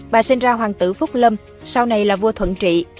bà sinh ra hoàng tử phúc lâm sau này là vua thuận trị